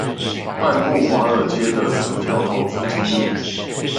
漫步華爾街的十條投資金律